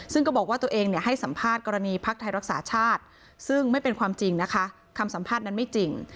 ซึ่งก็บอกว่าตัวเองให้สัมภาษณ์กรณีภักดิ์ไทยรักษาชาติซึ่งไม่เป็นความจริงนะคะคำสัมภาษณ์นั้นไม่จริง